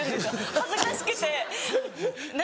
恥ずかしくて何？